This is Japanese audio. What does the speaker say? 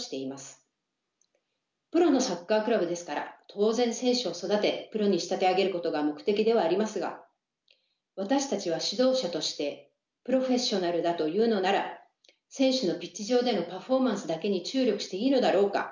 プロのサッカークラブですから当然選手を育てプロに仕立て上げることが目的ではありますが私たちは指導者としてプロフェッショナルだというのなら選手のピッチ上でのパフォーマンスだけに注力していいのだろうか？